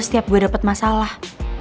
setiap gue dapet masalah